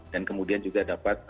dan kemudian juga dapat